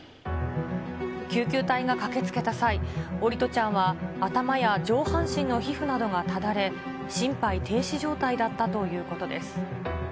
救急隊が駆けつけた際、桜利斗ちゃんは頭や上半身の皮膚などがただれ、心肺停止状態だったということです。